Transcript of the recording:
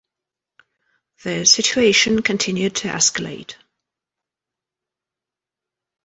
The situation continued to escalate.